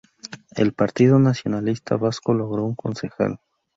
El Partido Nacionalista Vasco logró un concejal.